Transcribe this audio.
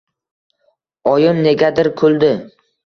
Oyim negadir kuldi.